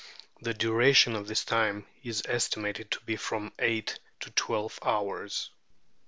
The duration of this time is estimated to be from eight to twelve hours."